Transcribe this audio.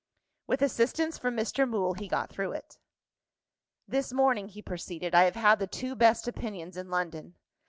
With assistance from Mr. Mool, he got through it. "This morning," he proceeded, "I have had the two best opinions in London.